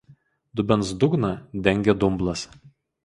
Dubens dugną dengia dumblas.